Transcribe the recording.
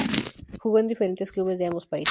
Jugó en diferentes clubes de ambos países.